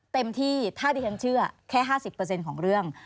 เต็มที่ถ้าดิฉันเชื่อแค่๕๐ของเรื่อง